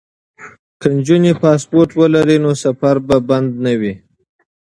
که نجونې پاسپورټ ولري نو سفر به بند نه وي.